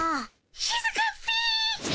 しずかっピィ。